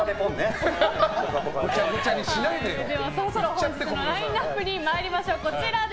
本日のラインアップに参りましょう。